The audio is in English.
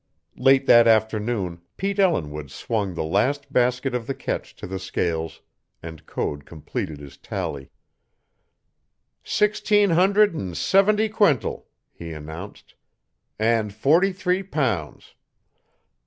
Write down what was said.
Late that afternoon Pete Ellinwood swung the last basket of the catch to the scales and Code completed his tally. "Sixteen hundred and seventy quintal," he announced, "and forty three pounds.